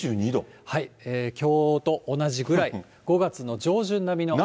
きょうと同じぐらい、５月の上旬並みの暖かさ。